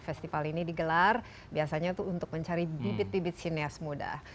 festival ini digelar biasanya itu untuk mencari bibit bibit sinias muda